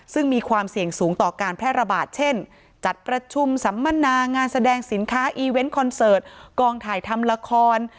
ซึ่งมีความเสี่ยงสูงต่อการแพร่ระบาดเช่นจัดประชุมสัมมนางานแสดงสินค้าอีเวนต์คอนเสิร์ตกองถ่ายทำละคร